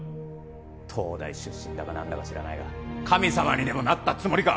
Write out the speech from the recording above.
東大出身だか何だか知らないが神様にでもなったつもりか？